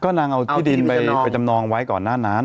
นางเอาที่ดินไปจำนองไว้ก่อนหน้านั้น